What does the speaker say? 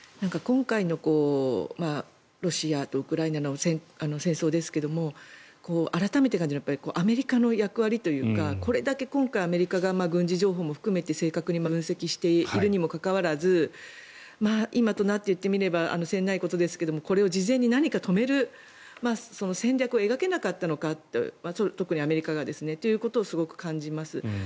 今回のロシアとウクライナの戦争ですが改めて感じるのはアメリカの役割というかこれだけ今回アメリカが軍事情報も含めて正確に分析しているにもかかわらず今となっていってみれば詮ないことですがこれを事前に何か止めるその戦略を描けなかったのか特にアメリカがということをすごく感じます。